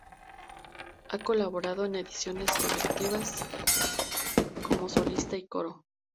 Ha colaborado en ediciones colectivas como solista y coro.